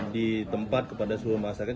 di tempat kepada seluruh masyarakat